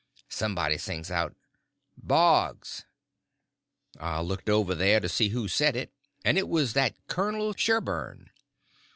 Somebody sings out: "Boggs!" I looked over there to see who said it, and it was that Colonel Sherburn.